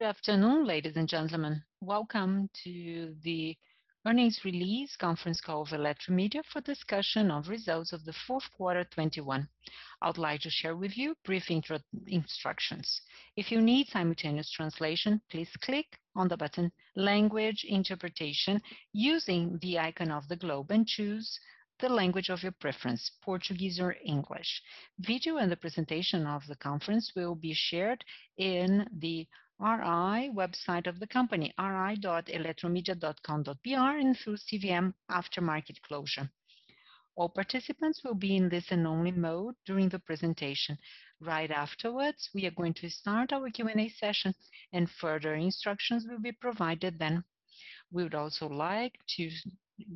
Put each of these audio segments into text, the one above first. Good afternoon, ladies and gentlemen. Welcome to the Earnings Release Conference Call of Eletromidia for discussion of results of the fourth quarter 2021. I would like to share with you instructions. If you need simultaneous translation, please click on the button Language Interpretation using the icon of the globe and choose the language of your preference, Portuguese or English. Video and the presentation of the conference will be shared in the RI website of the company, ri.eletromidia.com.br and through CVM after market closure. All participants will be in listen-only mode during the presentation. Right afterwards, we are going to start our Q&A session and further instructions will be provided then. We would also like to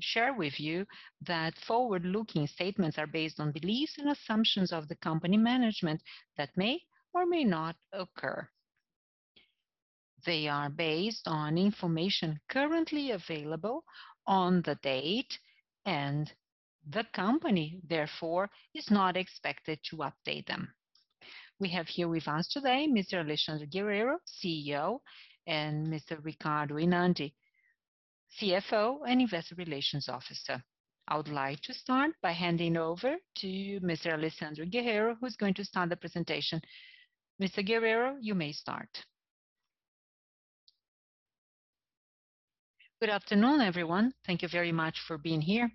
share with you that forward-looking statements are based on beliefs and assumptions of the company management that may or may not occur. They are based on information currently available on the date, and the company, therefore, is not expected to update them. We have here with us today Mr. Alexandre Guerrero, CEO, and Mr. Ricardo Winandy, CFO and Investor Relations Officer. I would like to start by handing over to Mr. Alexandre Guerrero, who's going to start the presentation. Mr. Guerrero, you may start. Good afternoon, everyone. Thank you very much for being here.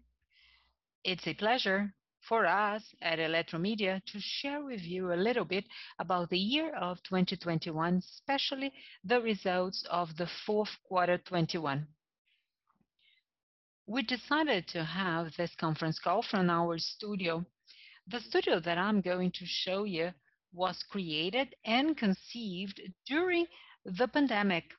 It's a pleasure for us at Eletromidia to share with you a little bit about the year of 2021, especially the results of the fourth quarter 2021. We decided to have this conference call from our studio. The studio that I'm going to show you was created and conceived during the pandemic,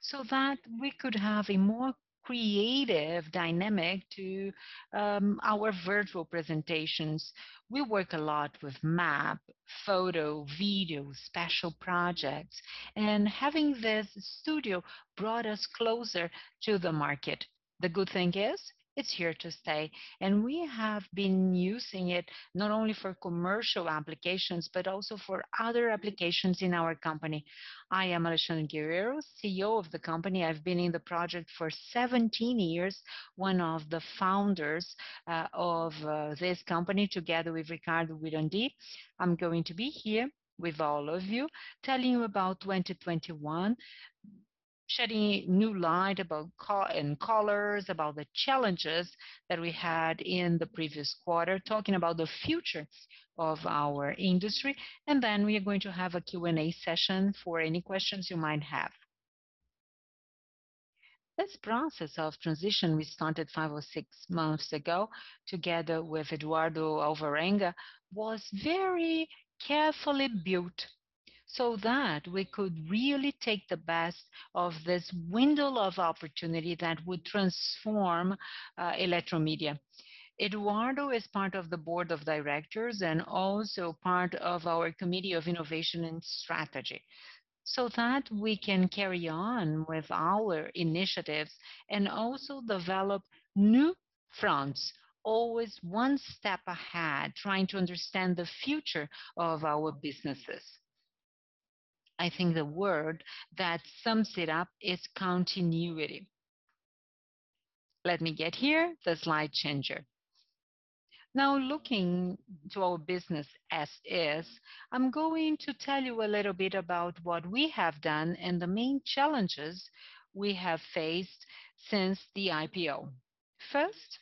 so that we could have a more creative dynamic to our virtual presentations. We work a lot with map, photo, video, special projects, and having this studio brought us closer to the market. The good thing is, it's here to stay, and we have been using it not only for commercial applications, but also for other applications in our company. I am Alexandre Guerrero, CEO of the company. I've been in the project for 17 years. One of the founders of this company, together with Ricardo Winandy. I'm going to be here with all of you telling you about 2021, shedding new light and color on the challenges that we had in the previous quarter, talking about the future of our industry. Then we are going to have a Q&A session for any questions you might have. This process of transition we started five or six months ago, together with Eduardo Alvarenga, was very carefully built so that we could really take the best of this window of opportunity that would transform Eletromidia. Eduardo is part of the board of directors and also part of our Committee of Innovation and Strategy, so that we can carry on with our initiatives and also develop new fronts, always one step ahead, trying to understand the future of our businesses. I think the word that sums it up is continuity. Let me get here the slide changer. Now looking to our business as is, I'm going to tell you a little bit about what we have done and the main challenges we have faced since the IPO. First,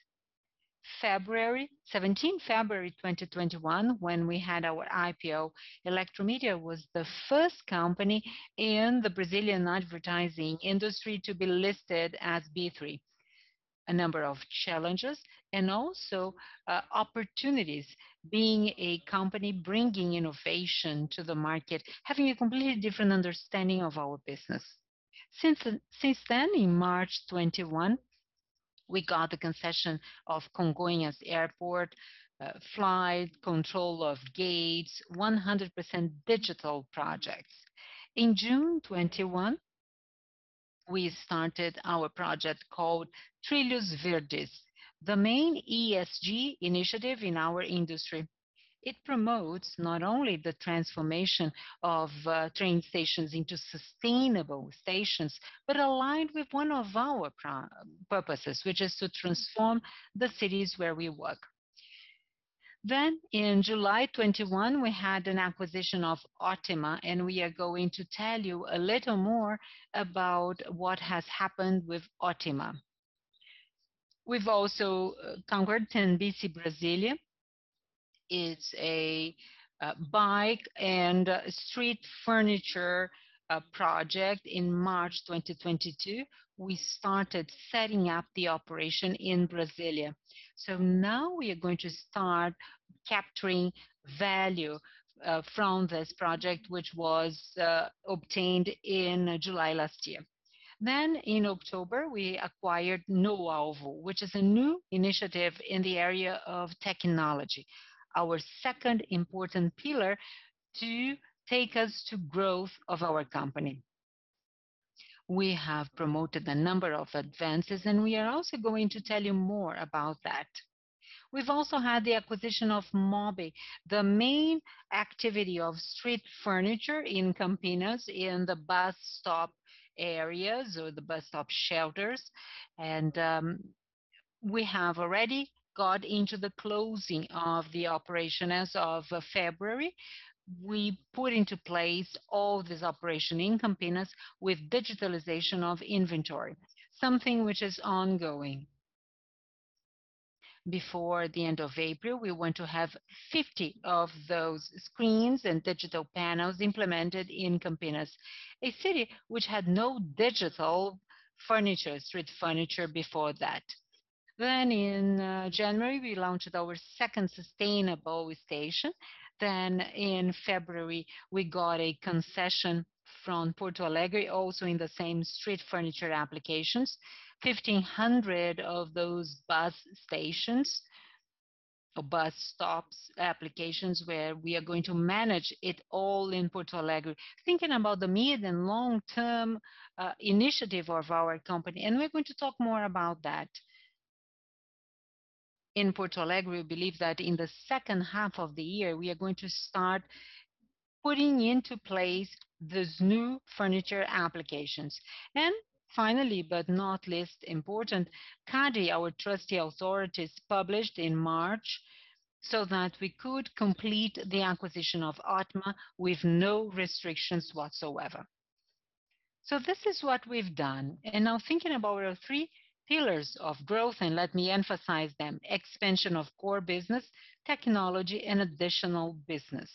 February 17, 2021, when we had our IPO, Eletromidia was the first company in the Brazilian advertising industry to be listed at B3. A number of challenges and also opportunities being a company bringing innovation to the market, having a completely different understanding of our business. Since then, in March 2021, we got the concession of Congonhas Airport, flights, control of gates, 100% digital projects. In June 2021, we started our project called Trilhos Verdes, the main ESG initiative in our industry. It promotes not only the transformation of train stations into sustainable stations, but aligned with one of our purposes, which is to transform the cities where we work. In July 2021, we had an acquisition of Ótima, and we are going to tell you a little more about what has happened with Ótima. We've also conquered Tembici Brasília. It's a bike and street furniture project. In March 2022, we started setting up the operation in Brasília. Now we are going to start capturing value from this project, which was obtained in July last year. In October, we acquired NoAlvo, which is a new initiative in the area of technology, our second important pillar to take us to growth of our company. We have promoted a number of advances, and we are also going to tell you more about that. We've also had the acquisition of MOOHB, the main activity of street furniture in Campinas in the bus stop areas or the bus stop shelters. We have already got into the closing of the operation as of February. We put into place all this operation in Campinas with digitalization of inventory, something which is ongoing. Before the end of April, we want to have 50 of those screens and digital panels implemented in Campinas, a city which had no digital furniture, street furniture before that. In January, we launched our second sustainable station. In February, we got a concession from Porto Alegre also in the same street furniture applications. 1,500 of those bus stations or bus stops applications where we are going to manage it all in Porto Alegre. Thinking about the mid and long-term initiative of our company, and we're going to talk more about that. In Porto Alegre, we believe that in the second half of the year we are going to start putting into place these new furniture applications. Finally, but not least important, CADE, our antitrust authorities published in March so that we could complete the acquisition of Ótima with no restrictions whatsoever. This is what we've done. Now thinking about our three pillars of growth, and let me emphasize them, expansion of core business, technology, and additional business.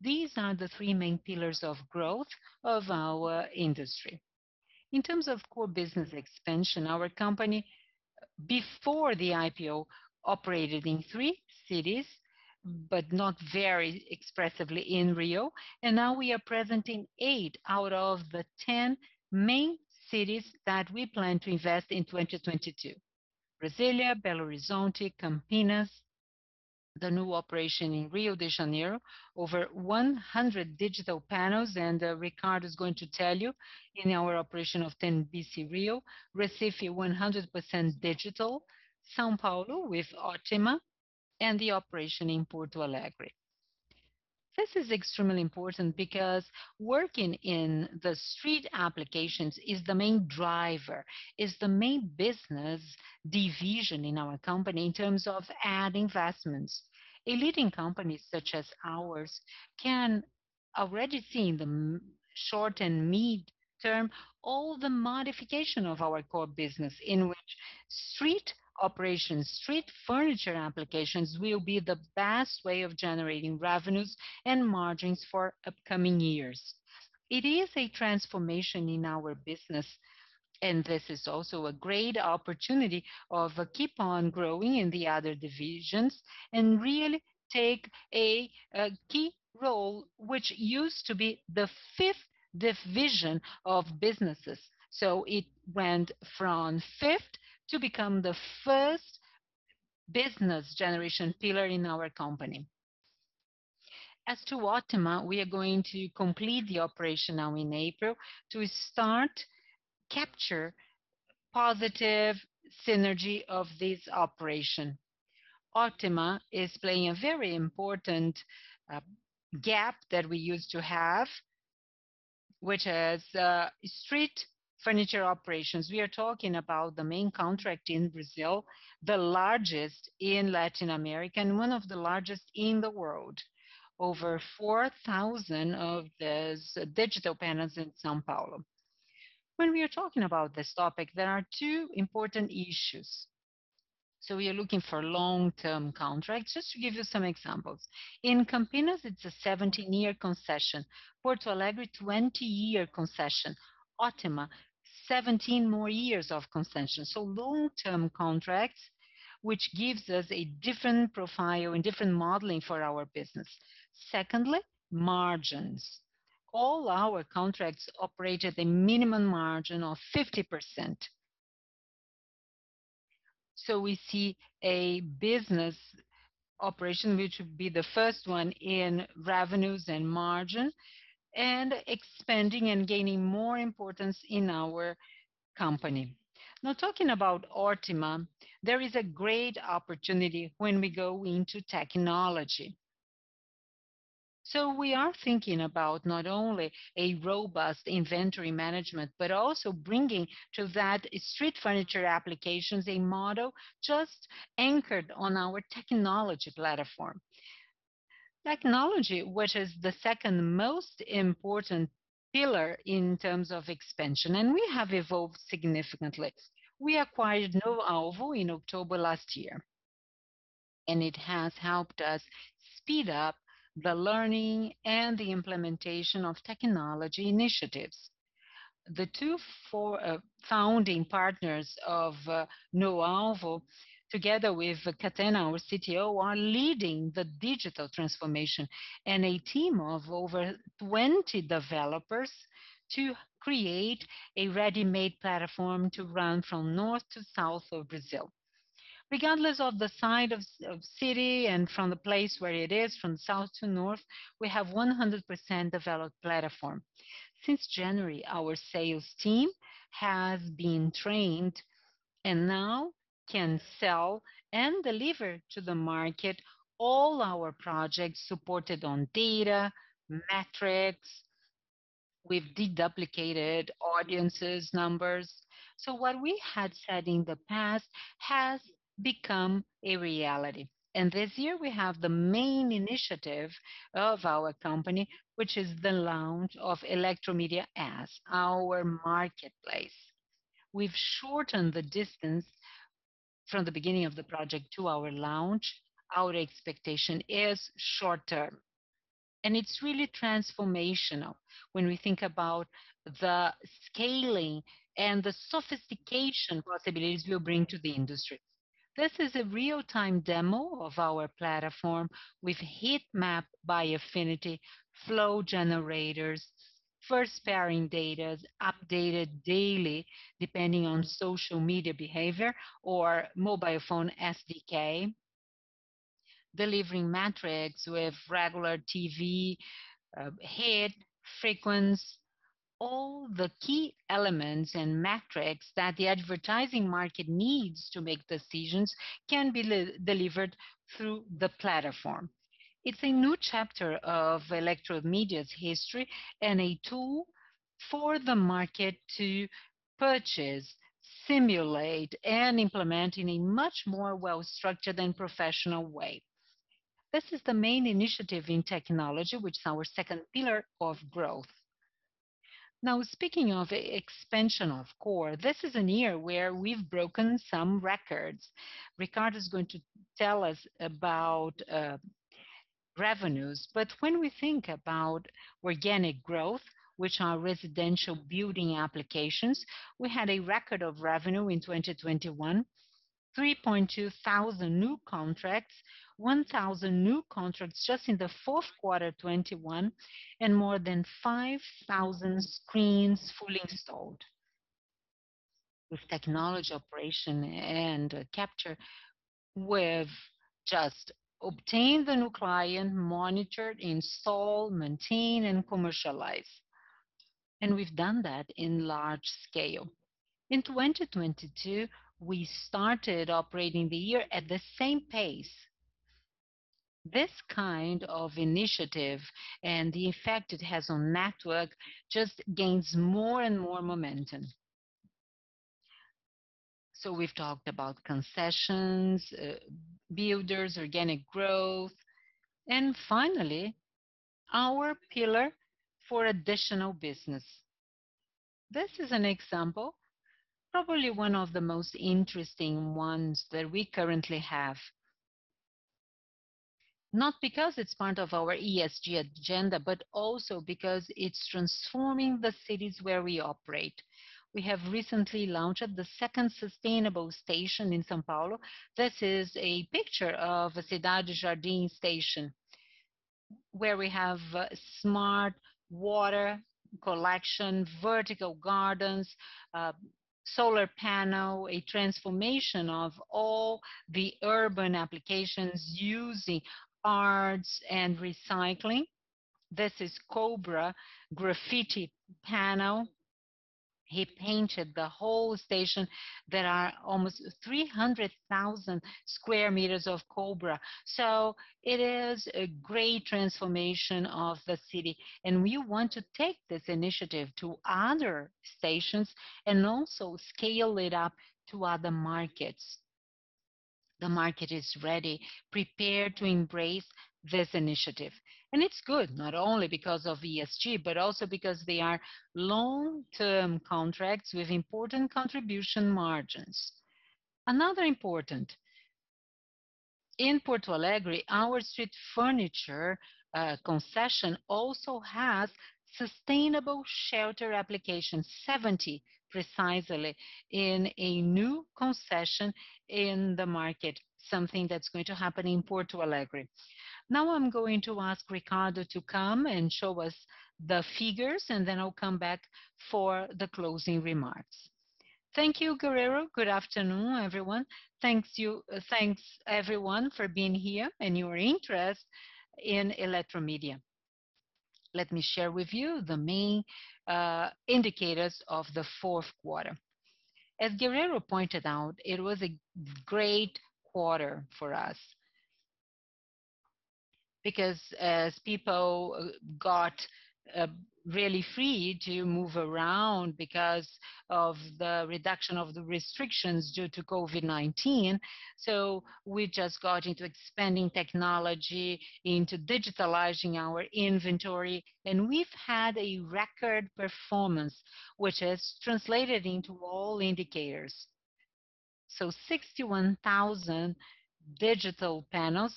These are the three main pillars of growth of our industry. In terms of core business expansion, our company before the IPO operated in three cities, but not very expressively in Rio. Now we are present in eight out of the 10 main cities that we plan to invest in 2022. Brasília, Belo Horizonte, Campinas, the new operation in Rio de Janeiro, over 100 digital panels, and Ricardo is going to tell you in our operation of Tembici Rio, Recife 100% digital, São Paulo with Ótima, and the operation in Porto Alegre. This is extremely important because working in the street applications is the main driver, is the main business division in our company in terms of ad investments. A leading company such as ours can already see in the short and mid-term all the modification of our core business in which street operations, street furniture applications will be the best way of generating revenues and margins for upcoming years. It is a transformation in our business, and this is also a great opportunity to keep on growing in the other divisions and really take a key role which used to be the fifth division of businesses. It went from fifth to become the first business generation pillar in our company. As to Ótima, we are going to complete the operation now in April to start to capture positive synergy of this operation. Ótima is playing a very important gap that we used to have, which is street furniture operations. We are talking about the main contract in Brazil, the largest in Latin America, and one of the largest in the world. Over 4,000 of these digital panels in São Paulo. When we are talking about this topic, there are two important issues. We are looking for long-term contracts. Just to give you some examples. In Campinas, it's a 17-year concession. Porto Alegre, 20-year concession. Ótima, 17 more years of concession. Long-term contracts, which gives us a different profile and different modeling for our business. Secondly, margins. All our contracts operate at a minimum margin of 50%. We see a business operation, which would be the first one in revenues and margin, and expanding and gaining more importance in our company. Now talking about Ótima, there is a great opportunity when we go into technology. We are thinking about not only a robust inventory management, but also bringing to that street furniture applications a model just anchored on our technology platform. Technology, which is the second most important pillar in terms of expansion, and we have evolved significantly. We acquired NoAlvo in October last year, and it has helped us speed up the learning and the implementation of technology initiatives. The two founding partners of NoAlvo, together with Catena, our CTO, are leading the digital transformation and a team of over 20 developers to create a ready-made platform to run from north to south of Brazil. Regardless of the size of the city and from the place where it is, from south to north, we have 100% developed platform. Since January, our sales team have been trained and now can sell and deliver to the market all our projects supported on data, metrics, with deduplicated audiences numbers. What we had said in the past has become a reality. This year we have the main initiative of our company, which is the launch of Eletromidia Ads, our marketplace. We've shortened the distance from the beginning of the project to our launch. Our expectation is short term. It's really transformational when we think about the scaling and the sophistication possibilities we'll bring to the industry. This is a real-time demo of our platform with heat map by affinity, flow generators, first-party data updated daily depending on social media behavior or mobile phone SDK. Delivering metrics with regular TV hit frequency. All the key elements and metrics that the advertising market needs to make decisions can be live-delivered through the platform. It's a new chapter of Eletromidia's history and a tool for the market to purchase, simulate, and implement in a much more well-structured and professional way. This is the main initiative in technology, which is our second pillar of growth. Now, speaking of expansion of core, this is a year where we've broken some records. Ricardo's going to tell us about revenues. When we think about organic growth, which are residential building applications, we had a record of revenue in 2021, 3,200 new contracts, 1,000 new contracts just in the fourth quarter 2021, and more than 5,000 screens fully installed. With technology operation and capture, we've just obtained the new client, monitored, installed, maintained, and commercialized. We've done that in large scale. In 2022, we started operating the year at the same pace. This kind of initiative and the effect it has on network just gains more and more momentum. We've talked about concessions, billboards, organic growth, and finally, our pillar for additional business. This is an example, probably one of the most interesting ones that we currently have. Not because it's part of our ESG agenda, but also because it's transforming the cities where we operate. We have recently launched the second sustainable station in São Paulo. This is a picture of Cidade Jardim station, where we have smart water collection, vertical gardens, solar panel, a transformation of all the urban applications using arts and recycling. This is Kobra graffiti panel. He painted the whole station. There are almost 300,000 sq m of Kobra. It is a great transformation of the city, and we want to take this initiative to other stations and also scale it up to other markets. The market is ready, prepared to embrace this initiative. It's good, not only because of ESG, but also because they are long-term contracts with important contribution margins. Another important. In Porto Alegre, our street furniture concession also has sustainable shelter applications, 70 precisely, in a new concession in the market, something that's going to happen in Porto Alegre. Now I'm going to ask Ricardo to come and show us the figures, and then I'll come back for the closing remarks. Thank you, Guerrero. Good afternoon, everyone. Thanks everyone for being here and your interest in Eletromidia. Let me share with you the main indicators of the fourth quarter. As Guerrero pointed out, it was a great quarter for us. Because as people got really free to move around because of the reduction of the restrictions due to COVID-19, we just got into expanding technology, into digitalizing our inventory, and we've had a record performance, which has translated into all indicators. 61,000 digital panels.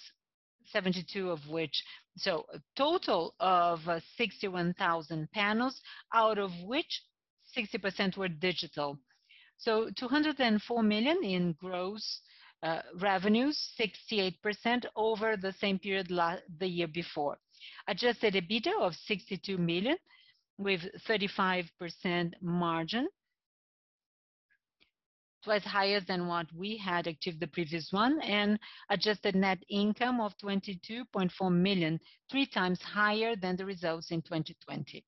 A total of 61,000 panels, out of which 60% were digital. 204 million in gross revenues, 68% over the same period the year before. Adjusted EBITDA of 62 million with 35% margin. It was higher than what we had achieved the previous one, and adjusted net income of 22.4 million, three times higher than the results in 2020.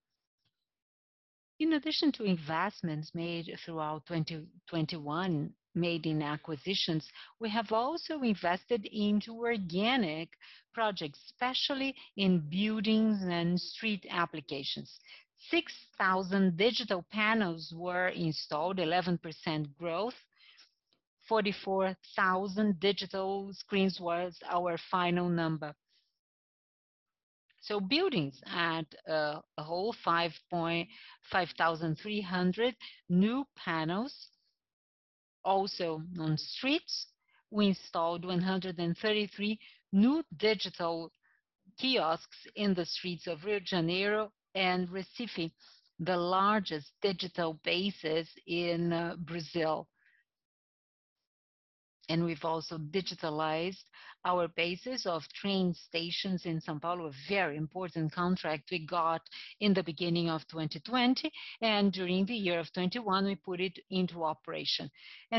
In addition to investments made throughout 2021 made in acquisitions, we have also invested into organic projects, especially in buildings and street applications. 6,000 digital panels were installed, 11% growth. 44,000 digital screens was our final number. Buildings had a whole 5,300 new panels. Also on streets, we installed 133 new digital kiosks in the streets of Rio de Janeiro and Recife, the largest digital bases in Brazil. We've also digitalized our bases of train stations in São Paulo. A very important contract we got in the beginning of 2020, and during the year of 2021 we put it into operation.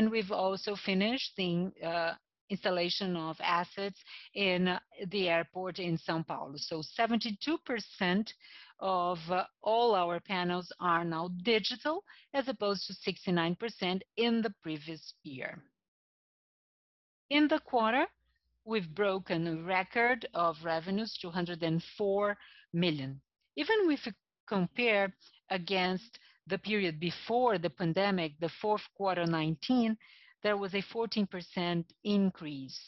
We've also finished the installation of assets in the airport in São Paulo. Seventy-two percent of all our panels are now digital, as opposed to 69% in the previous year. In the quarter, we've broken a record of revenues, 204 million. Even if you compare against the period before the pandemic, the fourth quarter 2019, there was a 14% increase.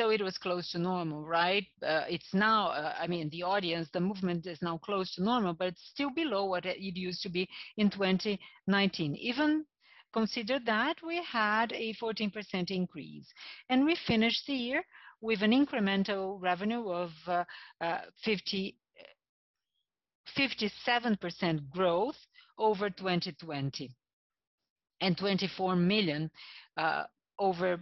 It was close to normal, right? It's now, I mean, the audience, the movement is now close to normal, but it's still below what it used to be in 2019. Even consider that we had a 14% increase, and we finished the year with an incremental revenue of fifty-seven percent growth over 2020 and 24 million over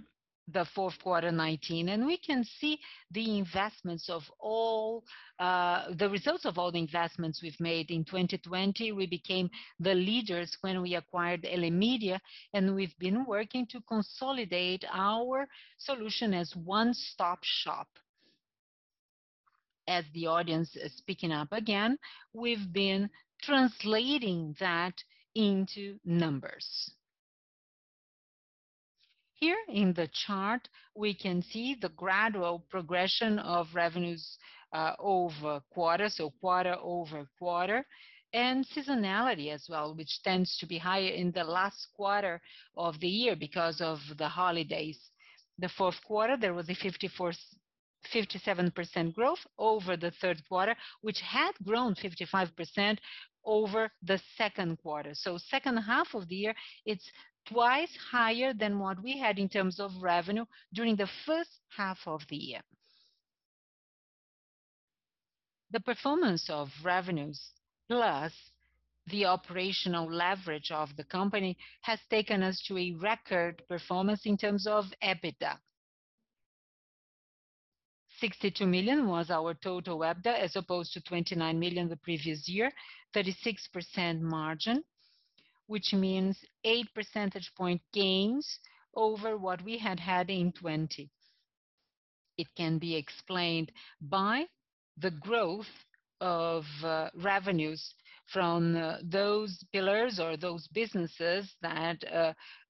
the fourth quarter 2019. We can see the results of all the investments we've made. In 2020, we became the leaders when we acquired Elemidia, and we've been working to consolidate our solution as one-stop shop. As the audience is picking up again, we've been translating that into numbers. Here in the chart, we can see the gradual progression of revenues over quarters, so quarter-over-quarter, and seasonality as well, which tends to be higher in the last quarter of the year because of the holidays. The fourth quarter, there was a 57% growth over the third quarter, which had grown 55% over the second quarter. Second half of the year, it's twice higher than what we had in terms of revenue during the first half of the year. The performance of revenues, plus the operational leverage of the company, has taken us to a record performance in terms of EBITDA. 62 million was our total EBITDA, as opposed to 29 million the previous year. 36% margin, which means eight percentage point gains over what we had had in 2020. It can be explained by the growth of revenues from those pillars or those businesses that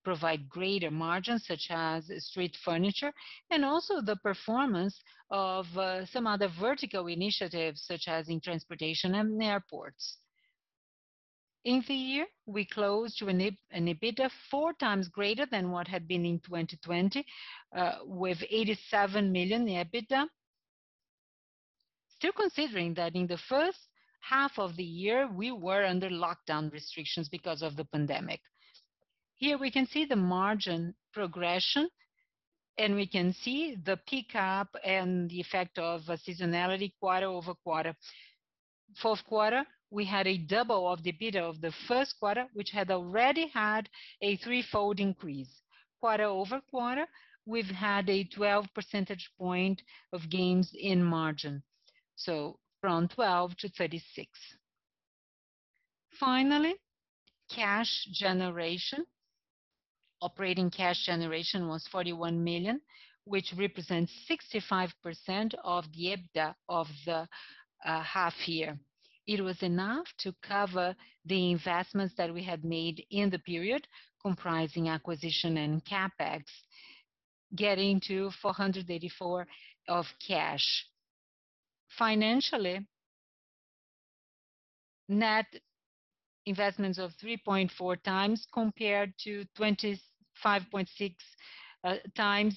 provide greater margins, such as street furniture, and also the performance of some other vertical initiatives, such as in transportation and airports. In the year, we closed with an EBITDA four times greater than what had been in 2020, with 87 million EBITDA. Still considering that in the first half of the year, we were under lockdown restrictions because of the pandemic. Here we can see the margin progression, and we can see the pickup and the effect of seasonality quarter-over-quarter. Fourth quarter, we had a double of the EBITDA of the first quarter, which had already had a threefold increase. Quarter over quarter, we've had a 12 percentage point gains in margin, so from 12%-36%. Finally, cash generation. Operating cash generation was 41 million, which represents 65% of the EBITDA of the half year. It was enough to cover the investments that we had made in the period, comprising acquisition and CapEx, getting to 484 million of cash. Financially, net investments of 3.4x compared to 25.6x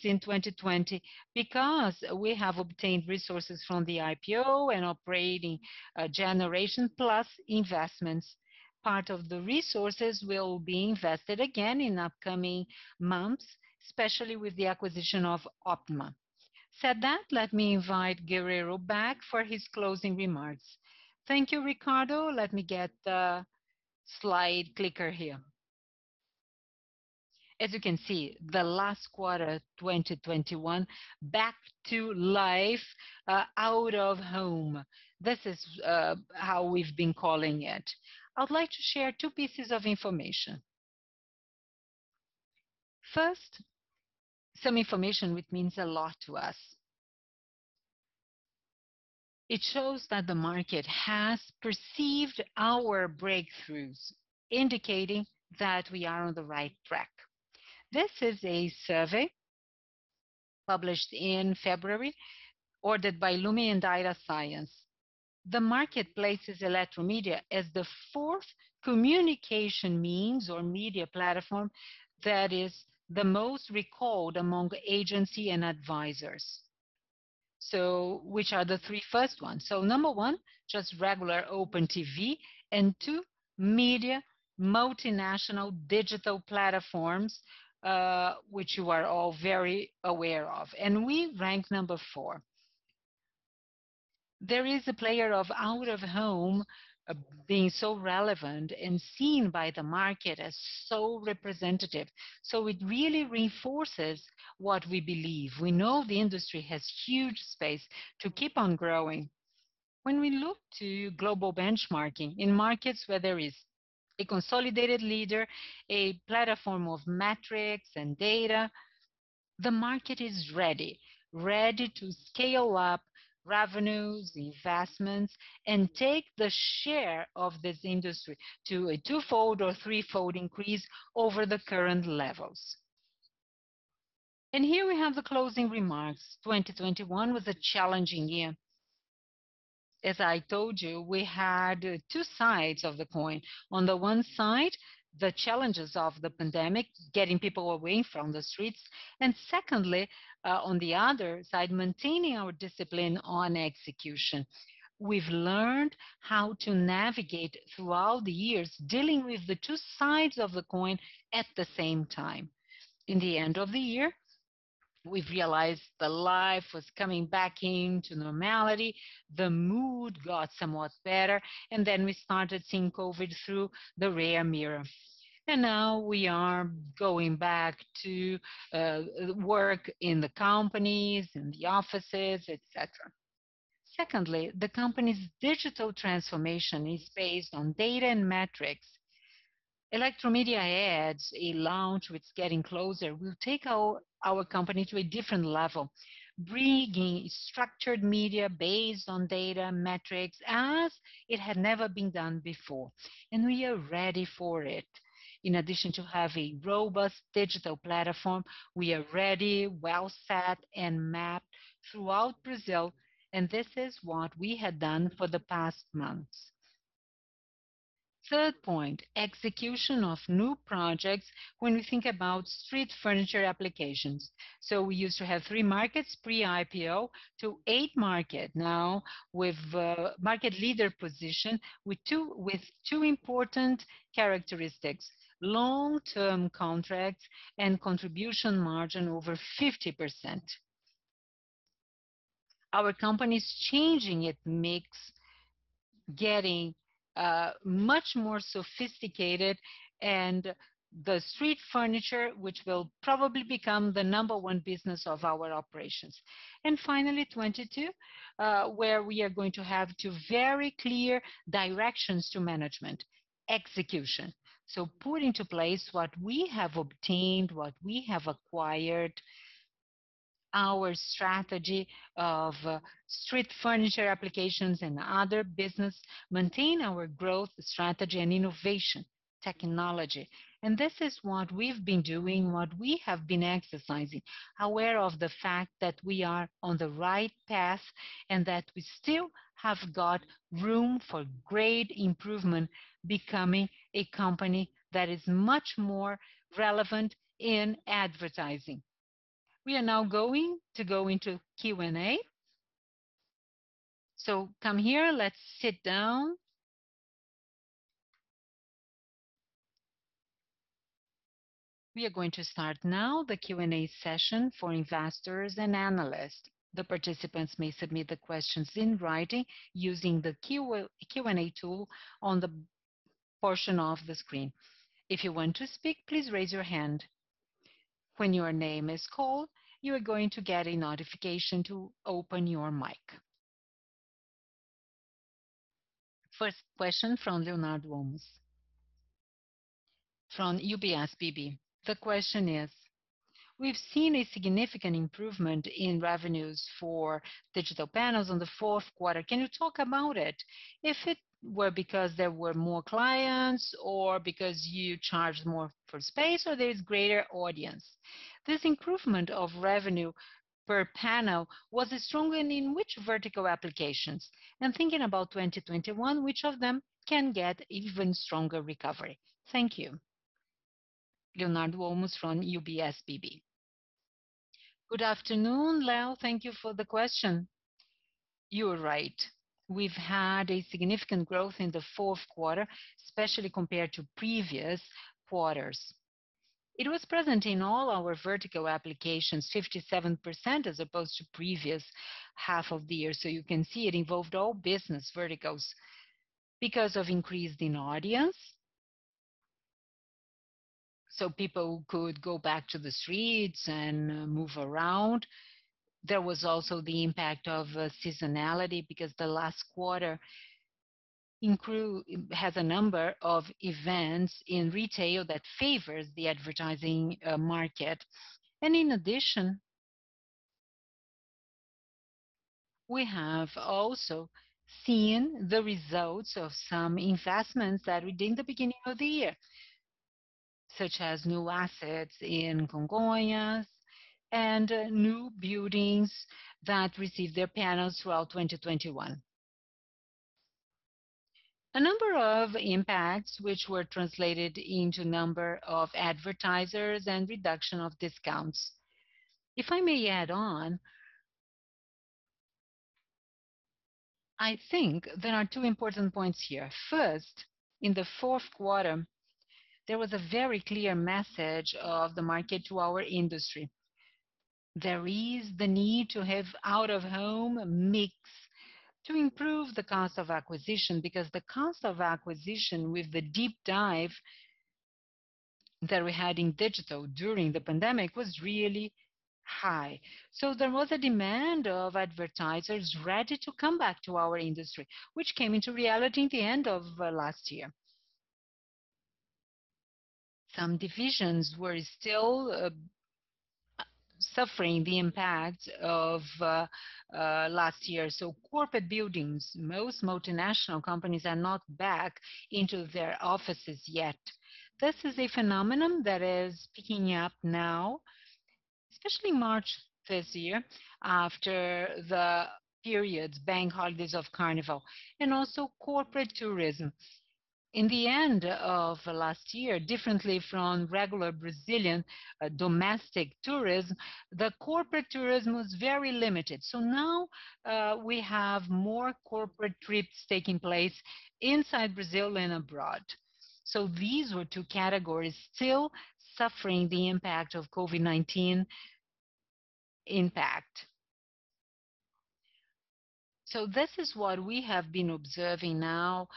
in 2020, because we have obtained resources from the IPO and operating generation plus investments. Part of the resources will be invested again in upcoming months, especially with the acquisition of Ótima. That said, let me invite Guerrero back for his closing remarks. Thank you, Ricardo. Let me get the slide clicker here. As you can see, the last quarter 2021, back to life, out of home. This is how we've been calling it. I would like to share two pieces of information. First, some information which means a lot to us. It shows that the market has perceived our breakthroughs, indicating that we are on the right track. This is a survey published in February, ordered by Lumi e Datafolha. The market places Eletromidia as the fourth communication means or media platform that is the most recalled among agencies and advertisers. Which are the three first ones? Number one, just regular open TV, and two, major multinational digital platforms, which you are all very aware of. We rank number four. There is a player of out of home being so relevant and seen by the market as so representative. It really reinforces what we believe. We know the industry has huge space to keep on growing. When we look to global benchmarking in markets where there is a consolidated leader, a platform of metrics and data, the market is ready. Ready to scale up revenues, investments, and take the share of this industry to a twofold or threefold increase over the current levels. Here we have the closing remarks. 2021 was a challenging year. As I told you, we had two sides of the coin. On the one side, the challenges of the pandemic, getting people away from the streets. Secondly, on the other side, maintaining our discipline on execution. We've learned how to navigate throughout the years, dealing with the two sides of the coin at the same time. In the end of the year, we've realized the life was coming back into normality. The mood got somewhat better, and then we started seeing COVID through the rear mirror. Now we are going back to work in the companies, in the offices, et cetera. Secondly, the company's digital transformation is based on data and metrics. Eletromidia Ads, a launch which is getting closer, will take our company to a different level, bringing structured media based on data, metrics, as it had never been done before. We are ready for it. In addition to have a robust digital platform, we are ready, well set, and mapped throughout Brazil, and this is what we had done for the past months. Third point, execution of new projects when we think about street furniture applications. We used to have three markets pre-IPO to eight markets now with market leader position with two important characteristics, long-term contracts and contribution margin over 50%. Our company's changing its mix, getting much more sophisticated, and the street furniture, which will probably become the number one business of our operations. Finally, 2022, where we are going to have two very clear directions to management: execution. Put into place what we have obtained, what we have acquired, our strategy of street furniture applications and other business, maintain our growth strategy and innovation technology. This is what we've been doing, what we have been exercising, aware of the fact that we are on the right path and that we still have got room for great improvement, becoming a company that is much more relevant in advertising. We are now going to go into Q&A. Come here. Let's sit down. We are going to start now the Q&A session for investors and analysts. First question from Leonardo Olmos from UBS BB. The question is: We've seen a significant improvement in revenues for digital panels in the fourth quarter. Can you talk about it? Was it because there were more clients or because you charged more for space or there's greater audience? This improvement in revenue per panel was stronger in which verticals? And thinking about 2021, which of them can get even stronger recovery? Thank you. Good afternoon, Leo. Thank you for the question. You were right. We've had a significant growth in the fourth quarter, especially compared to previous quarters. It was present in all our vertical applications, 57% as opposed to previous half of the year. You can see it involved all business verticals because of increase in audience. People could go back to the streets and move around. There was also the impact of seasonality because the last quarter has a number of events in retail that favors the advertising market. In addition, we have also seen the results of some investments that we did in the beginning of the year, such as new assets in Congonhas and new buildings that received their panels throughout 2021. A number of impacts which were translated into number of advertisers and reduction of discounts. If I may add on, I think there are two important points here. First, in the fourth quarter, there was a very clear message of the market to our industry. There is the need to have out-of-home mix to improve the cost of acquisition because the cost of acquisition with the deep dive that we had in digital during the pandemic was really high. There was a demand of advertisers ready to come back to our industry, which came into reality at the end of last year. Some divisions were still suffering the impact of last year. Corporate buildings, most multinational companies are not back into their offices yet. This is a phenomenon that is picking up now, especially March this year after the period and bank holidays of Carnival and also corporate tourism. In the end of last year, differently from regular Brazilian domestic tourism, the corporate tourism was very limited. Now we have more corporate trips taking place inside Brazil and abroad. These were two categories still suffering the impact of COVID-19. This is what we have been observing now.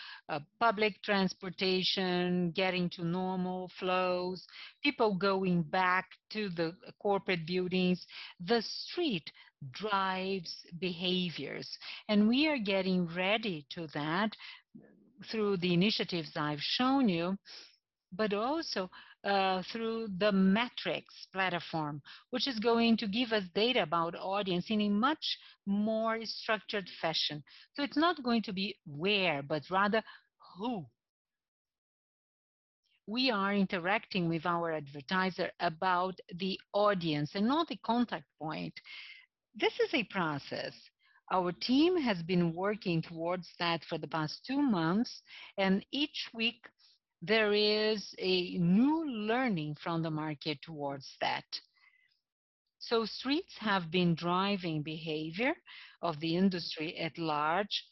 Public transportation getting to normal flows, people going back to the corporate buildings. The street drives behaviors, and we are getting ready to that through the initiatives I've shown you, but also, through the metrics platform, which is going to give us data about audience in a much more structured fashion. It's not going to be where, but rather who. We are interacting with our advertiser about the audience and not the contact point. This is a process. Our team has been working towards that for the past two months, and each week there is a new learning from the market towards that. Streets have been driving behavior of the industry at large.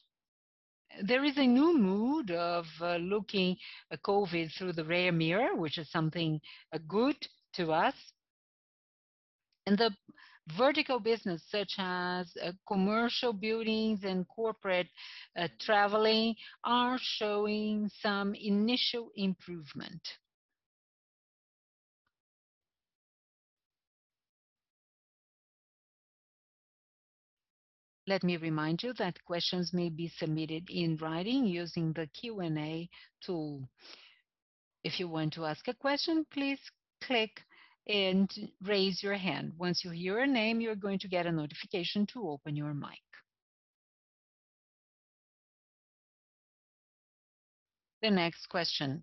There is a new mood of looking at COVID through the rear mirror, which is something good to us. The vertical business such as commercial buildings and corporate traveling are showing some initial improvement. Let me remind you that questions may be submitted in writing using the Q&A tool. If you want to ask a question, please click and raise your hand. Once you hear your name, you're going to get a notification to open your mic. The next question.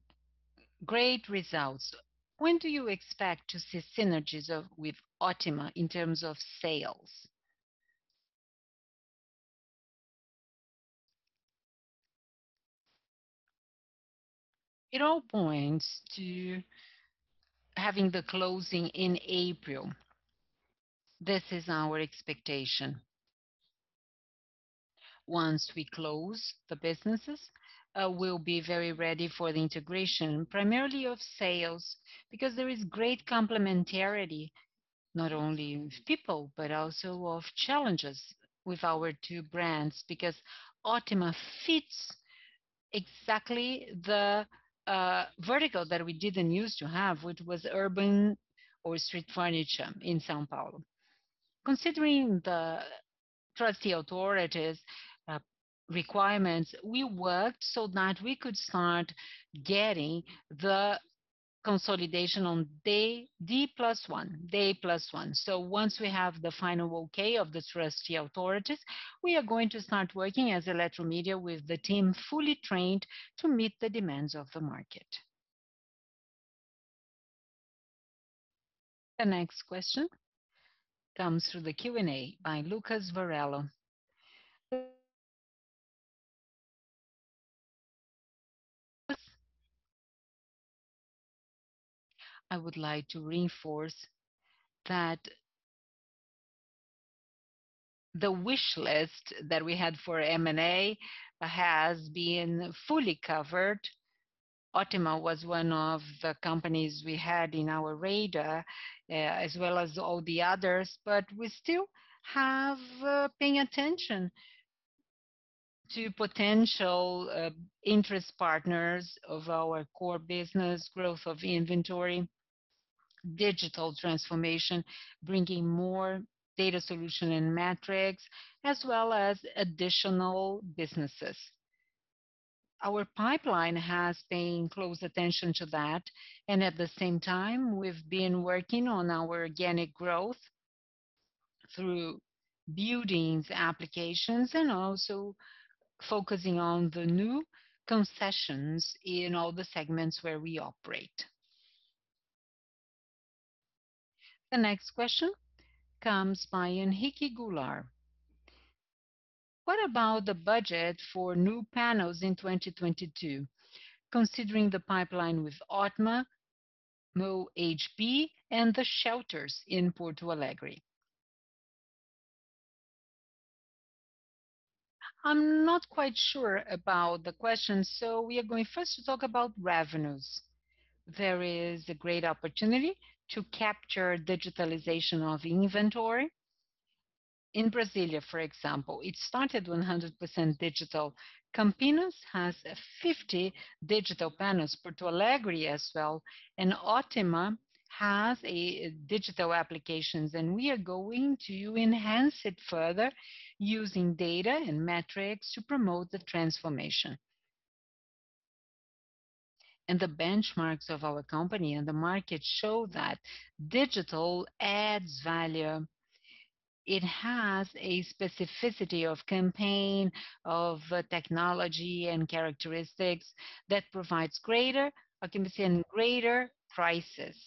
Great results. When do you expect to see synergies with Ótima in terms of sales? It all points to having the closing in April. This is our expectation. Once we close the businesses, we'll be very ready for the integration, primarily of sales, because there is great complementarity, not only of people, but also of challenges with our two brands. Because Ótima fits exactly the vertical that we didn't use to have, which was urban or street furniture in São Paulo. Considering the trustee authorities requirements, we worked so that we could start getting the consolidation on day plus one. Once we have the final okay of the trustee authorities, we are going to start working as Eletromidia with the team fully trained to meet the demands of the market. The next question comes through the Q&A by Lucas Barela. I would like to reinforce that the wish list that we had for M&A has been fully covered. Ótima was one of the companies we had in our radar, as well as all the others, but we still have paying attention to potential interest partners of our core business, growth of inventory, digital transformation, bringing more data solution and metrics, as well as additional businesses. Our pipeline has paying close attention to that, and at the same time we've been working on our organic growth through building the applications and also focusing on the new concessions in all the segments where we operate. The next question comes by Henrique Goulart. What about the budget for new panels in 2022, considering the pipeline with Ótima, MOOHB, and the shelters in Porto Alegre? I'm not quite sure about the question, so we are going first to talk about revenues. There is a great opportunity to capture digitalization of inventory. In Brasília, for example, it started 100% digital. Campinas has 50 digital panels. Porto Alegre as well, and Ótima has a digital applications, and we are going to enhance it further using data and metrics to promote the transformation. The benchmarks of our company and the market show that digital adds value. It has a specificity of campaign, of technology and characteristics that provides greater occupancy and greater prices.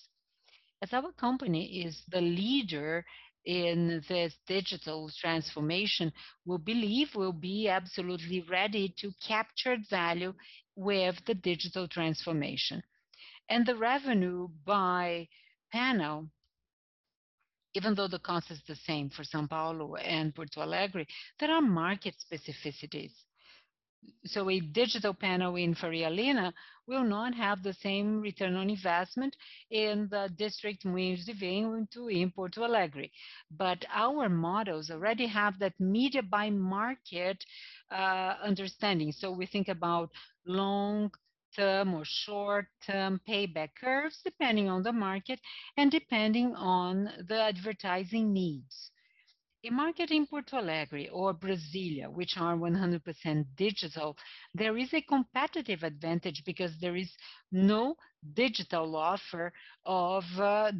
As our company is the leader in this digital transformation, we believe we'll be absolutely ready to capture value with the digital transformation. The revenue by panel, even though the cost is the same for São Paulo and Porto Alegre, there are market specificities. A digital panel in Faria Lima will not have the same return on investment in the district Moinhos de Vento in Porto Alegre. Our models already have that media by market, understanding. We think about long-term or short-term payback curves depending on the market and depending on the advertising needs. A market in Porto Alegre or Brasília, which are 100% digital, there is a competitive advantage because there is no digital offer of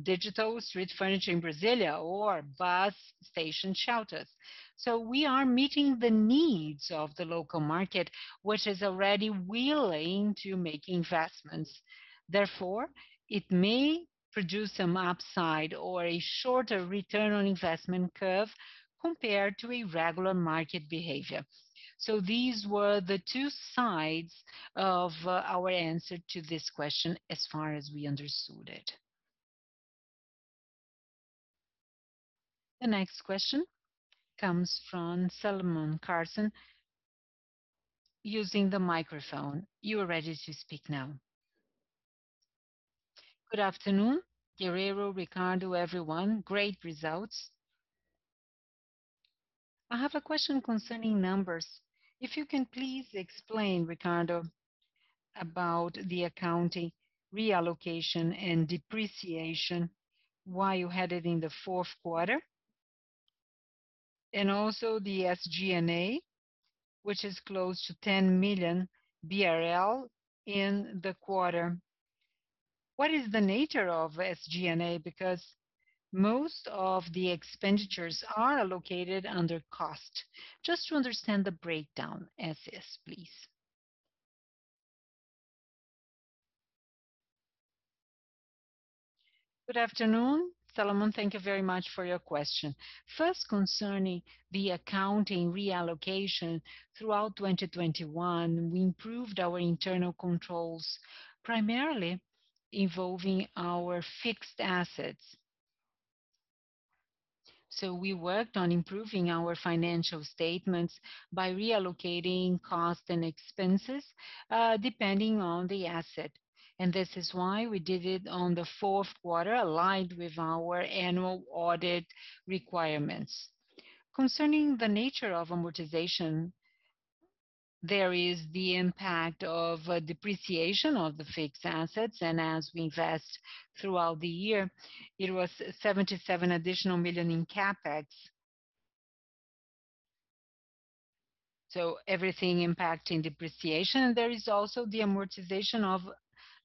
digital street furniture in Brasília or bus station shelters. We are meeting the needs of the local market, which is already willing to make investments. Therefore, it may produce some upside or a shorter return on investment curve compared to a regular market behavior. These were the two sides of our answer to this question as far as we understood it. The next question comes from Salomon Carson. Using the microphone, you are ready to speak now. Good afternoon, Guerrero, Ricardo, everyone. Great results. I have a question concerning numbers. If you can please explain, Ricardo, about the accounting reallocation and depreciation, why you had it in the fourth quarter. Also the SG&A, which is close to 10 million BRL in the quarter. What is the nature of SG&A? Because most of the expenditures are allocated under cost. Just to understand the breakdown as is, please. Good afternoon, Salomon. Thank you very much for your question. First, concerning the accounting reallocation throughout 2021, we improved our internal controls, primarily involving our fixed assets. We worked on improving our financial statements by reallocating costs and expenses, depending on the asset. This is why we did it on the fourth quarter, aligned with our annual audit requirements. Concerning the nature of amortization, there is the impact of depreciation of the fixed assets, and as we invest throughout the year, it was 77 million in CapEx. Everything impacting depreciation. There is also the amortization of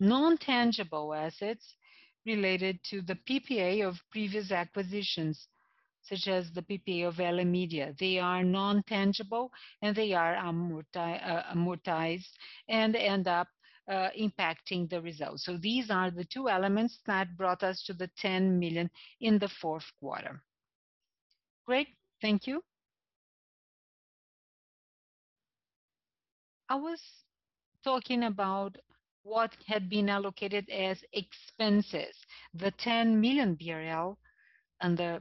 intangible assets related to the PPA of previous acquisitions, such as the PPA of Elemidia. They are intangible, and they are amortized and end up impacting the results. These are the two elements that brought us to the 10 million in the fourth quarter. Great. Thank you. I was talking about what had been allocated as expenses, the BRL 10 million under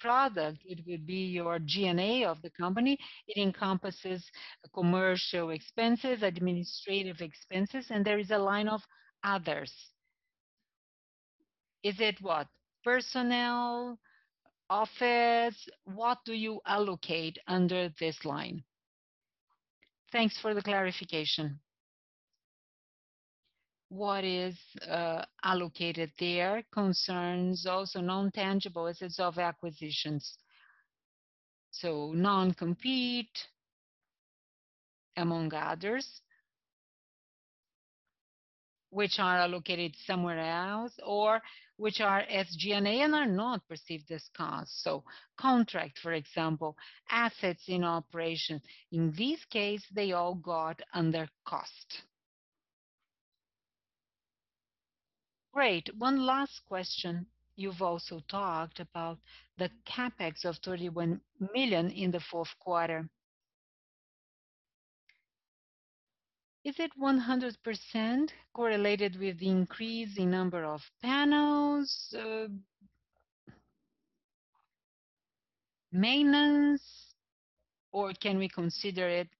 P&L. It will be your G&A of the company. It encompasses commercial expenses, administrative expenses, and there is a line of others. Is it what? Personnel, office, what do you allocate under this line? Thanks for the clarification. What is allocated there concerns also intangible assets of acquisitions. Non-compete among others. Which are allocated somewhere else or which are as G&A and are not perceived as cost. Contract, for example, assets in operation. In this case, they all got under cost. Great. One last question. You've also talked about the CapEx of 31 million in the fourth quarter. Is it 100% correlated with the increase in number of panels, maintenance, or can we consider it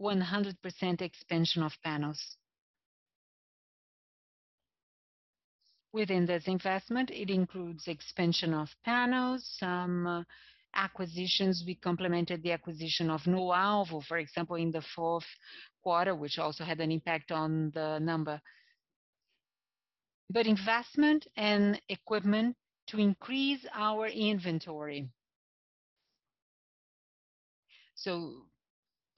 100% expansion of panels? Within this investment, it includes expansion of panels, some acquisitions. We complemented the acquisition of NoAlvo, for example, in the fourth quarter, which also had an impact on the number. Investment and equipment to increase our inventory.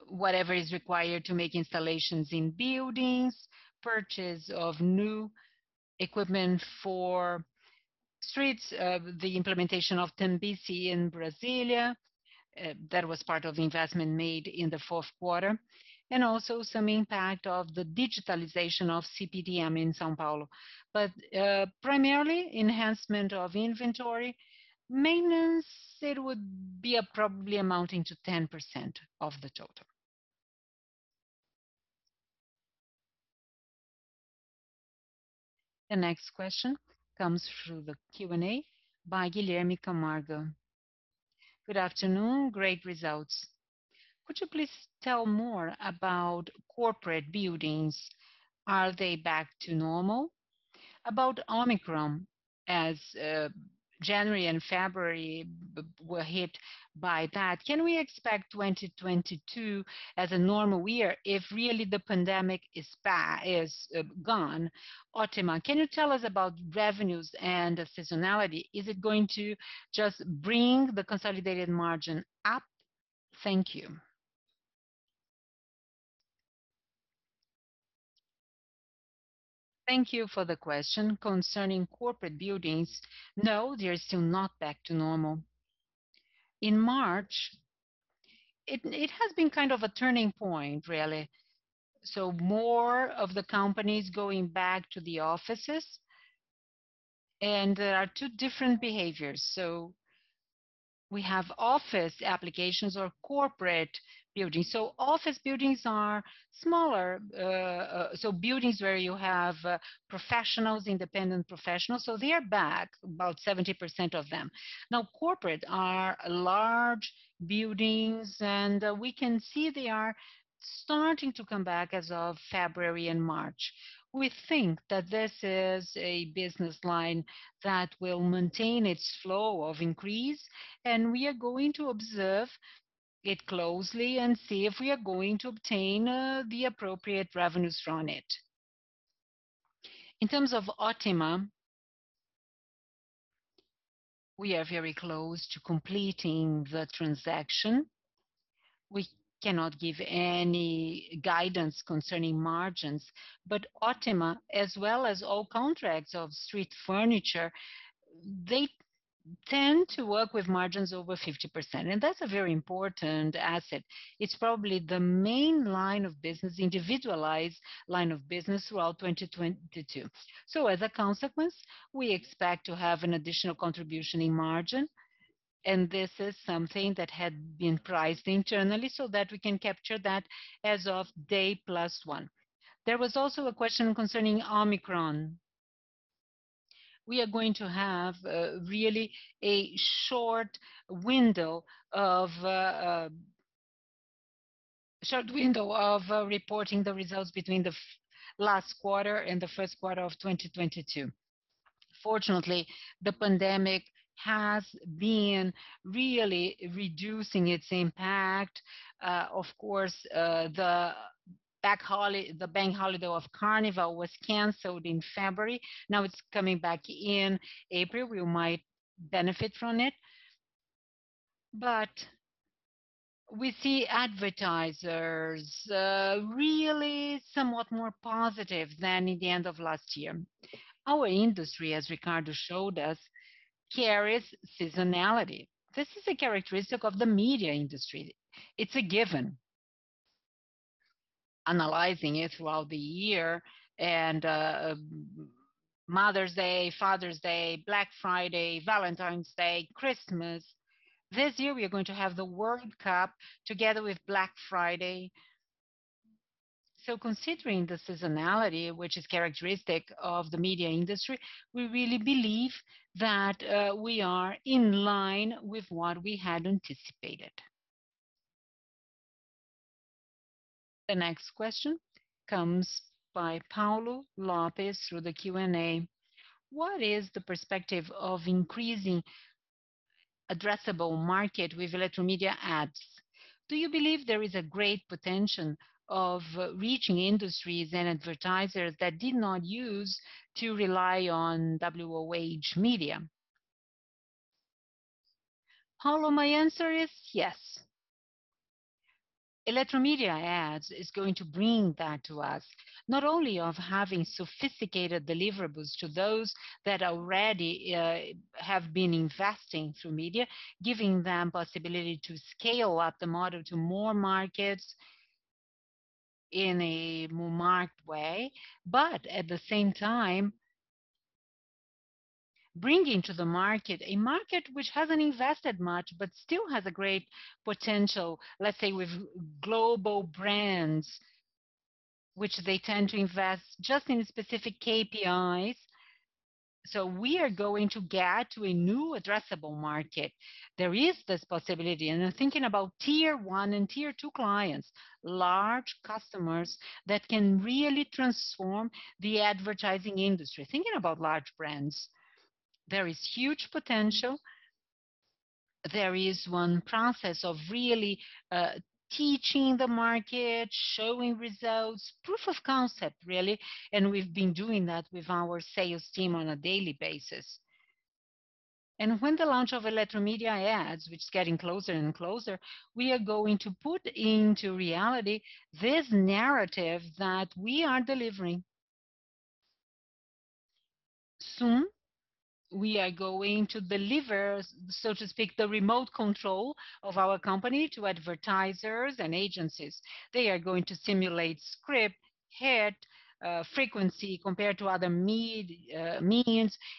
Whatever is required to make installations in buildings, purchase of new equipment for streets, the implementation of Tembici Brasília, that was part of the investment made in the fourth quarter, and also some impact of the digitalization of CPTM in São Paulo. Primarily enhancement of inventory. Maintenance, it would be probably amounting to 10% of the total. The next question comes through the Q&A by Guilherme Camargo. Good afternoon. Great results. Could you please tell more about corporate buildings? Are they back to normal? About Omicron, as January and February were hit by that, can we expect 2022 as a normal year if really the pandemic is gone? Ótima, can you tell us about revenues and seasonality? Is it going to just bring the consolidated margin up? Thank you. Thank you for the question concerning corporate buildings. No, they are still not back to normal. In March, it has been kind of a turning point, really. More of the companies going back to the offices, and there are two different behaviors. We have office applications or corporate buildings. Office buildings are smaller, buildings where you have professionals, independent professionals. They are back, about 70% of them. Now, corporate are large buildings, and we can see they are starting to come back as of February and March. We think that this is a business line that will maintain its flow of increase, and we are going to observe it closely and see if we are going to obtain the appropriate revenues from it. In terms of Ótima, we are very close to completing the transaction. We cannot give any guidance concerning margins. Ótima, as well as all contracts of street furniture, they tend to work with margins over 50%, and that's a very important asset. It's probably the main line of business, individualized line of business throughout 2022. As a consequence, we expect to have an additional contribution in margin, and this is something that had been priced internally so that we can capture that as of day plus one. There was also a question concerning Omicron. We are going to have really a short window of reporting the results between the last quarter and the first quarter of 2022. Fortunately, the pandemic has been really reducing its impact. Of course, the bank holiday of Carnival was canceled in February. Now it's coming back in April. We might benefit from it. We see advertisers really somewhat more positive than in the end of last year. Our industry, as Ricardo showed us, carries seasonality. This is a characteristic of the media industry. It's a given. Analyzing it throughout the year and, Mother's Day, Father's Day, Black Friday, Valentine's Day, Christmas. This year we are going to have the World Cup together with Black Friday. Considering the seasonality which is characteristic of the media industry, we really believe that, we are in line with what we had anticipated. The next question comes by Paulo Lopez through the Q&A. What is the perspective of increasing addressable market with Eletromidia Ads? Do you believe there is a great potential of reaching industries and advertisers that did not use to rely on OOH media? Paulo, my answer is yes. Eletromidia Ads is going to bring that to us, not only of having sophisticated deliverables to those that already, have been investing through media, giving them possibility to scale up the model to more markets in a more marked way. At the same time, bringing to the market a market which hasn't invested much but still has a great potential, let's say with global brands which they tend to invest just in specific KPIs. We are going to get to a new addressable market. There is this possibility. I'm thinking about tier one and tier two clients, large customers that can really transform the advertising industry. Thinking about large brands, there is huge potential. There is one process of really, teaching the market, showing results, proof of concept, really, and we've been doing that with our sales team on a daily basis. When the launch of Eletromidia Ads, which is getting closer and closer, we are going to put into reality this narrative that we are delivering. Soon we are going to deliver, so to speak, the remote control of our company to advertisers and agencies. They are going to simulate script, hit, frequency compared to other means.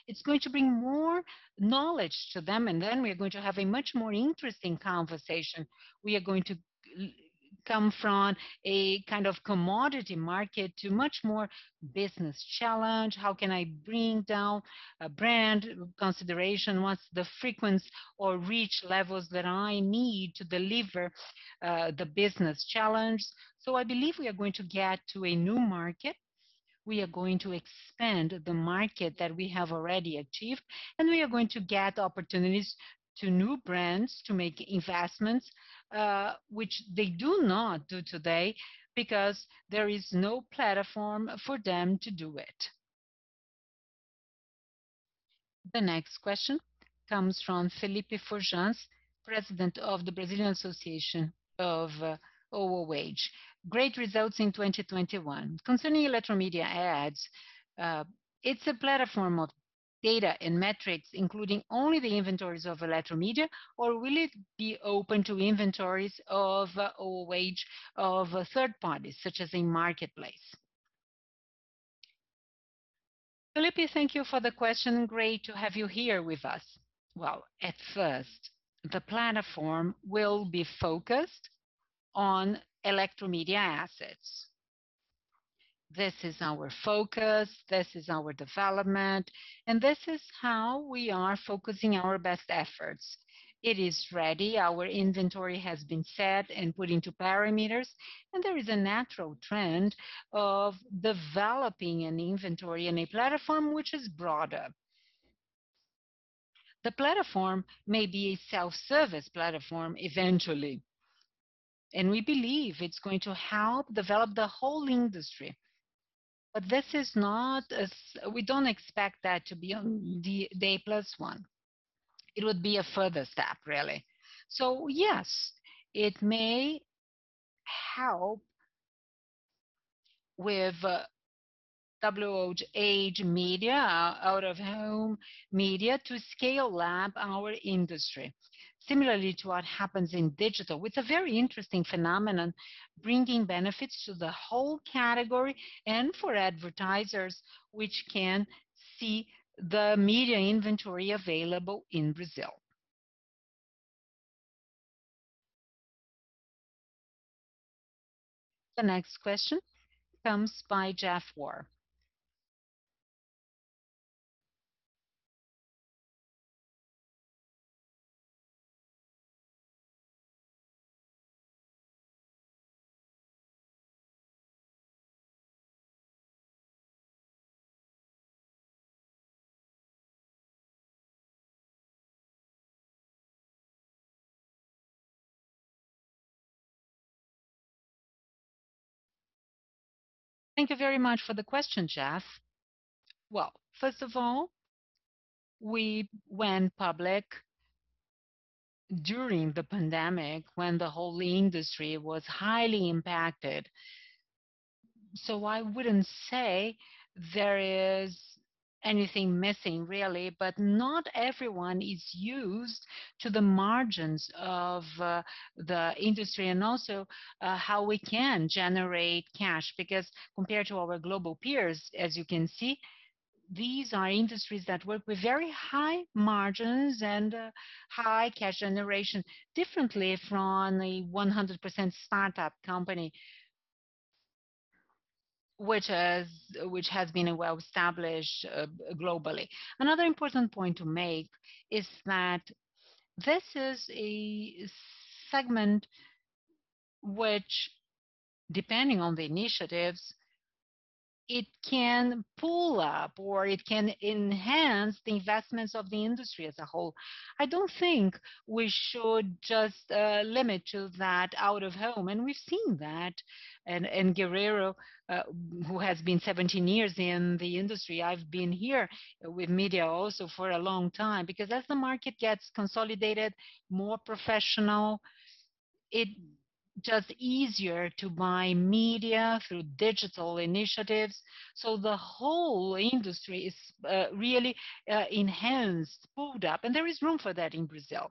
It's going to bring more knowledge to them, and then we are going to have a much more interesting conversation. We are going to come from a kind of commodity market to much more business challenge. How can I bring down a brand consideration? What's the frequency or reach levels that I need to deliver the business challenge? I believe we are going to get to a new market. We are going to expand the market that we have already achieved, and we are going to get opportunities to new brands to make investments, which they do not do today because there is no platform for them to do it. The next question comes from Felipe Forjaz, president of the Brazilian Association of OOH. Great results in 2021. Concerning Eletromidia Ads, it's a platform of data and metrics, including only the inventories of Eletromidia, or will it be open to inventories of OOH of third parties, such as in Marketplace? Felipe, thank you for the question. Great to have you here with us. Well, at first, the platform will be focused on Eletromidia assets. This is our focus, this is our development, and this is how we are focusing our best efforts. It is ready. Our inventory has been set and put into parameters, and there is a natural trend of developing an inventory and a platform which is broader. The platform may be a self-service platform eventually, and we believe it's going to help develop the whole industry. We don't expect that to be on D-Day plus one. It would be a further step, really. Yes, it may help with OOH ad media, out of home media to scale up our industry similarly to what happens in digital. It's a very interesting phenomenon, bringing benefits to the whole category and for advertisers which can see the media inventory available in Brazil. The next question comes by Jeff Warr. Thank you very much for the question, Jeff. Well, first of all, we went public during the pandemic when the whole industry was highly impacted. I wouldn't say there is anything missing really, but not everyone is used to the margins of, the industry and also, how we can generate cash. Because compared to our global peers, as you can see. These are industries that work with very high margins and high cash generation, differently from a 100% startup company, which has been well-established globally. Another important point to make is that this is a segment which, depending on the initiatives, it can pull up or it can enhance the investments of the industry as a whole. I don't think we should just limit to that out of home, and we've seen that. Guerrero, who has been 17 years in the industry, I've been here with media also for a long time, because as the market gets consolidated, more professional, it's just easier to buy media through digital initiatives. The whole industry is really enhanced, pulled up, and there is room for that in Brazil.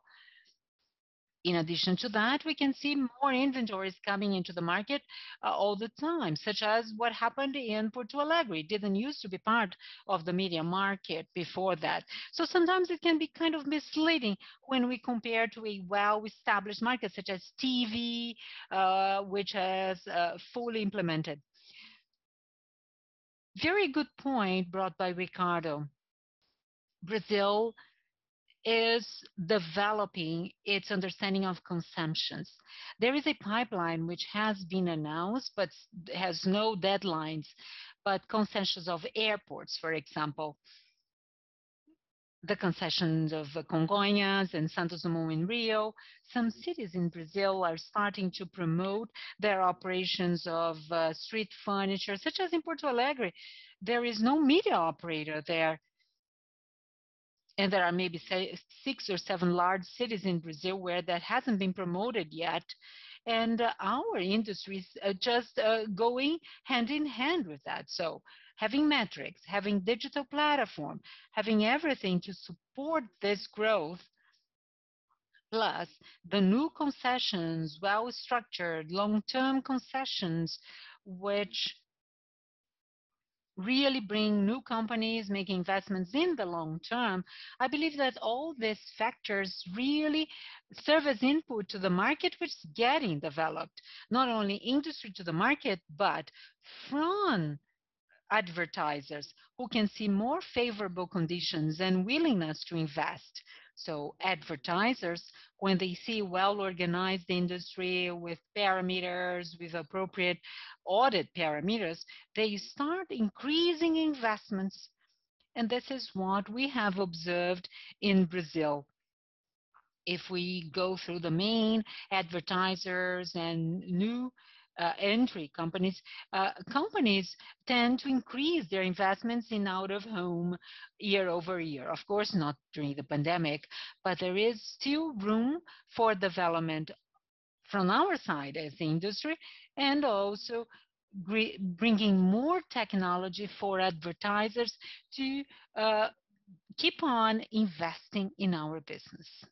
In addition to that, we can see more inventories coming into the market all the time, such as what happened in Porto Alegre. It didn't use to be part of the media market before that. Sometimes it can be kind of misleading when we compare to a well-established market, such as TV, which is fully implemented. Very good point brought by Ricardo. Brazil is developing its understanding of consumptions. There is a pipeline which has been announced, but has no deadlines, but concessions of airports, for example. The concessions of Congonhas and Santos Dumont in Rio. Some cities in Brazil are starting to promote their operations of street furniture, such as in Porto Alegre. There is no media operator there. There are maybe say six or seven large cities in Brazil where that hasn't been promoted yet, and our industries are just going hand-in-hand with that. Having metrics, having digital platform, having everything to support this growth. Plus the new concessions, well-structured, long-term concessions, which really bring new companies, make investments in the long term. I believe that all these factors really serve as input to the market which is getting developed, not only industry to the market, but from advertisers who can see more favorable conditions and willingness to invest. Advertisers, when they see well-organized industry with parameters, with appropriate audit parameters, they start increasing investments, and this is what we have observed in Brazil. If we go through the main advertisers and new entry companies tend to increase their investments in out of home year-over-year. Of course, not during the pandemic, but there is still room for development from our side as the industry, and also bringing more technology for advertisers to keep on investing in our business.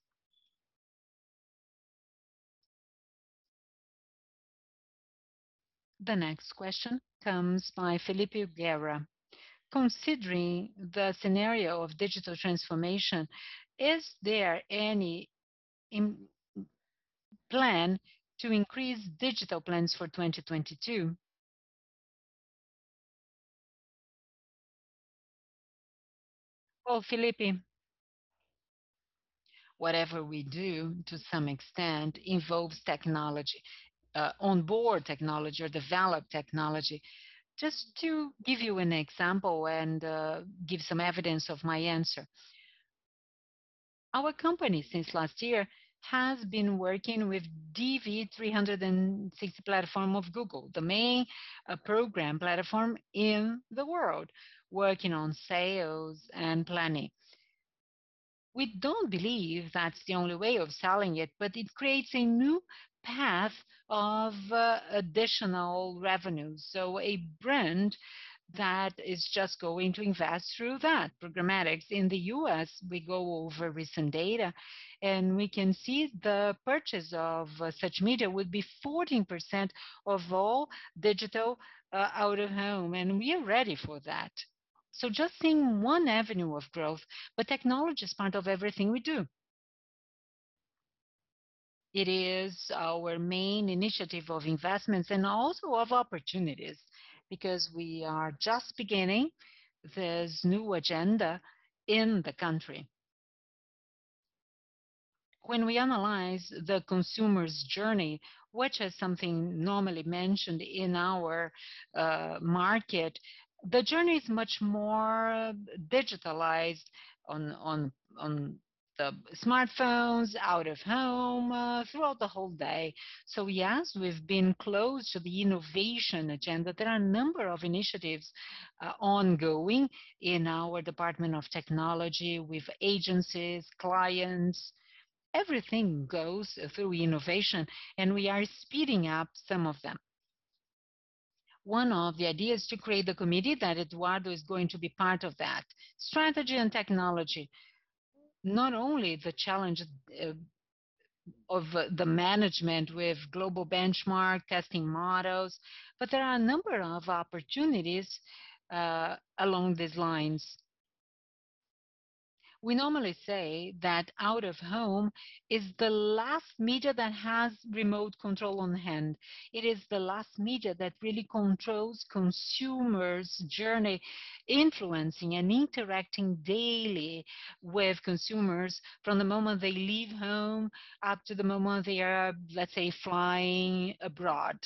The next question comes by Felipe Guerra. Considering the scenario of digital transformation, is there any plan to increase digital plans for 2022? Well, Felipe, whatever we do, to some extent, involves technology, onboard technology or developed technology. Just to give you an example and give some evidence of my answer. Our company, since last year, has been working with DV360 platform of Google, the main programmatic platform in the world, working on sales and planning. We don't believe that's the only way of selling it, but it creates a new path of additional revenue. A brand that is just going to invest through that, programmatics. In the U.S., we go over recent data, and we can see the purchase of such media would be 14% of all digital out of home, and we are ready for that. Just seeing one avenue of growth, but technology is part of everything we do. It is our main initiative of investments and also of opportunities because we are just beginning this new agenda in the country. When we analyze the consumer's journey, which is something normally mentioned in our market, the journey is much more digitalized on the smartphones, out of home, throughout the whole day. Yes, we've been close to the innovation agenda. There are a number of initiatives ongoing in our department of technology with agencies, clients. Everything goes through innovation, and we are speeding up some of them. One of the ideas to create the committee that Eduardo is going to be part of, strategy and technology, not only the challenge of the management with global benchmark, testing models. There are a number of opportunities along these lines. We normally say that out-of-home is the last media that has remote control on hand. It is the last media that really controls consumers' journey, influencing and interacting daily with consumers from the moment they leave home up to the moment they are, let's say, flying abroad.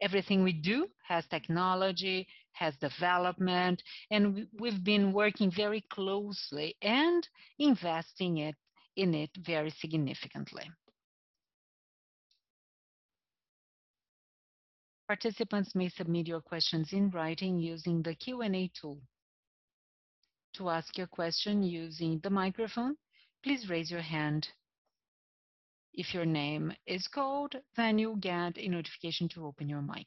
Everything we do has technology, has development, and we've been working very closely and investing in it very significantly. Participants may submit your questions in writing using the Q&A tool. To ask your question using the microphone, please raise your hand. If your name is called, then you'll get a notification to open your mic.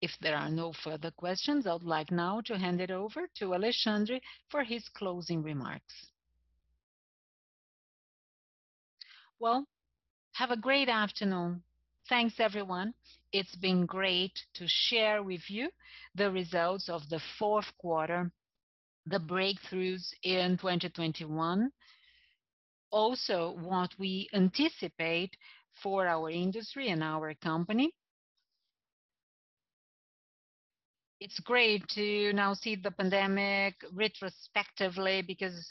If there are no further questions, I would like now to hand it over to Alexandre for his closing remarks. Well, have a great afternoon. Thanks, everyone. It's been great to share with you the results of the fourth quarter, the breakthroughs in 2021, also what we anticipate for our industry and our company. It's great to now see the pandemic retrospectively because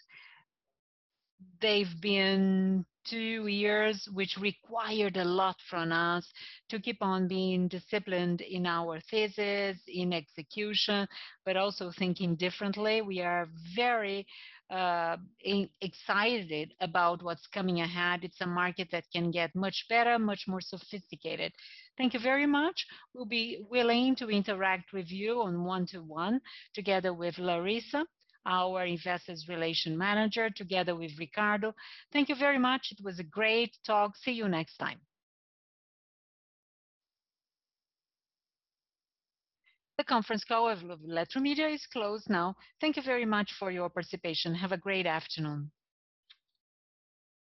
they've been two years which required a lot from us to keep on being disciplined in our thesis, in execution, but also thinking differently. We are very excited about what's coming ahead. It's a market that can get much better, much more sophisticated. Thank you very much. We'll be willing to interact with you on one-to-one, together with Larissa, our Investor Relations Manager, together with Ricardo. Thank you very much. It was a great talk. See you next time. The conference call of Eletromidia is closed now. Thank you very much for your participation. Have a great afternoon.